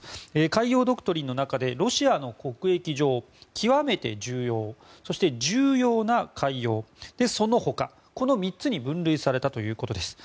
海洋ドクトリンの中でロシアの国益上、極めて重要そして重要な海洋そのほかこの３つに分類されたということです。